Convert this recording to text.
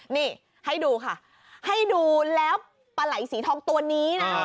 นี่ให้ดูค่ะให้ดูแล้วปลาไหล่สีทองตัวนี้นะ